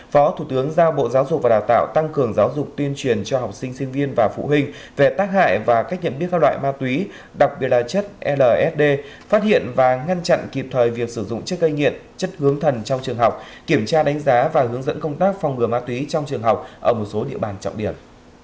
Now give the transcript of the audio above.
phó thủ tướng giao bộ giáo dục và đào tạo tăng cường giáo dục tuyên truyền cho học sinh sinh viên và phụ huynh về tác hại và cách nhận biết các loại ma túy đặc biệt là chất lsd phát hiện và ngăn chặn kịp thời việc sử dụng chất gây nghiện chất hướng thần trong trường học kiểm tra đánh giá và hướng dẫn công tác phòng ngừa ma túy trong trường học ở một số địa bàn trọng điểm